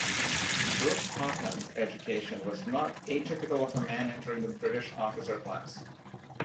Brooke-Popham's education was not atypical of a man entering the British officer class.